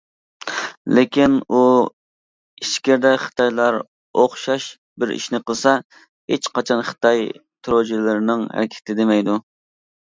لېكىن ئۇ ئىچكىرىدە خىتايلار ئوخشاش بىر ئىشنى قىلسا، ھېچقاچان خىتاي تېررورچىلىرىنىڭ ھەرىكىتى، دېمەيدۇ.